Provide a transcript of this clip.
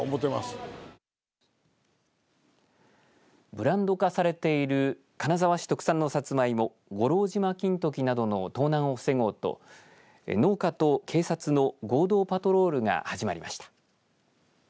ブランド化されている金沢市特産のサツマイモ五郎島金時などの盗難を防ごうと農家と警察の合同パトロールが始まりました。